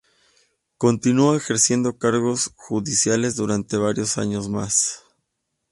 Continuó ejerciendo cargos judiciales durante varios años más.